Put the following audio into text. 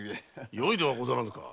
よいではござらぬか。